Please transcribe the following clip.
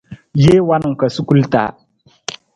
Jee wanung ka sukul taa.